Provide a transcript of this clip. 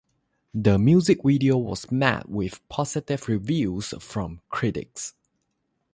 The music video was met with positive reviews from critics.